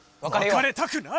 わかれたくない！